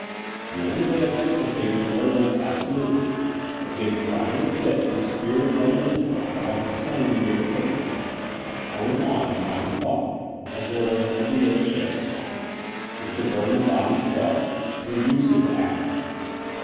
"The only way of extirpating a werewolf abso lutely, of getting finally quit of the spirit of* the elemental after having slain the mere case," I went on, trying to talk as though it were an every day affair, "is to bum the body itself and reduce it to ashes.